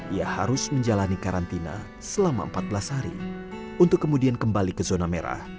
ia harus menjalani karantina selama empat belas hari untuk kemudian kembali ke zona merah